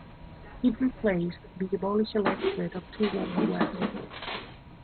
It replaced the abolished electorate of Toowoomba West.